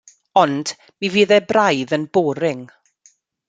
Ond mi fydd e braidd yn boring.